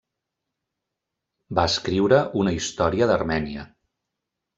Va escriure una història d'Armènia.